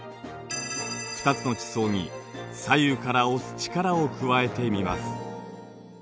２つの地層に左右から押す力を加えてみます。